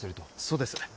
そうです